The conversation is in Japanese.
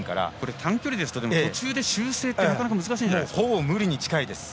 短距離ですと途中で修正ってなかなか難しいんじゃないんですか。